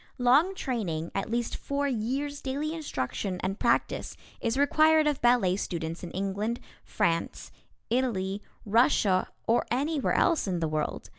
Long training, at least four years' daily instruction and practice, is required of ballet students in England, France, Italy, Russia, or anywhere else in the world.